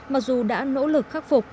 mặc dù đã nỗ lực khắc phục